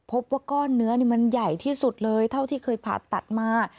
พบว่าก้อนเนื้อนี่มันใหญ่ที่สุดเลยเท่าที่เคยผ่าตัดมา